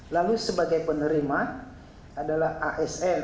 lalu sebagai penerima adalah asn